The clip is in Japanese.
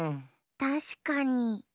たしかに。